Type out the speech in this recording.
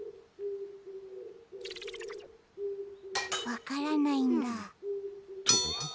わからないんだ。